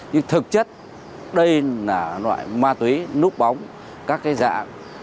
nhưng thực chất đây là loại ma túy núp bóng các cái dạng